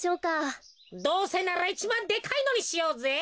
どうせならいちばんでかいのにしようぜ。